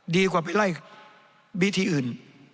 ดีกว่าไปไล่บีทีอื่น